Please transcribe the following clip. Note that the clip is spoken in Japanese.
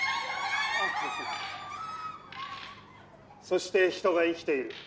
「そして人が生きている」